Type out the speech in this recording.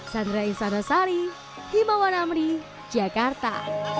sandra isanasari timawan amri jakarta